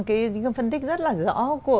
cái phân tích rất là rõ